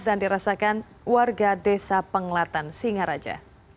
dan dirasakan warga desa pengelatan singaraja